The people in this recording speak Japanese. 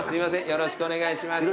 よろしくお願いします。